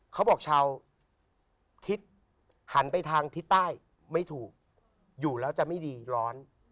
เขาบอกชาวทิศหันไปทางทิศใต้ไม่ถูกอยู่แล้วจะไม่ดีร้อน